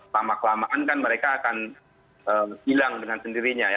lama kelamaan kan mereka akan hilang dengan sendirinya